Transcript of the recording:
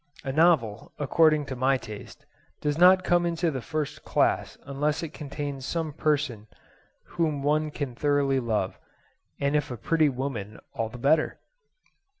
A novel, according to my taste, does not come into the first class unless it contains some person whom one can thoroughly love, and if a pretty woman all the better.